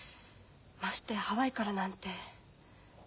ましてハワイからなんて。